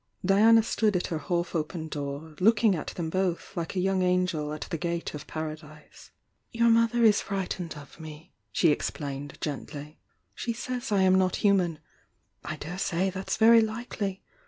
Diana stood at her half open door, looking at them both like a young angel at the gate of paradise. Your mother is frightened of me," she explained genOy. She says I am not human. I daresay that's very likely!